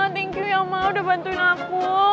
thank you ya mama udah bantuin aku